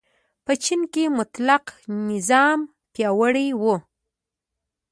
په چین کې مطلقه نظام پیاوړی و.